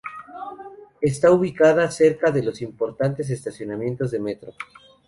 Está ubicada cerca de dos importantes estaciones de metro.